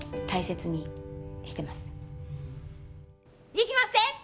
いきまっせ！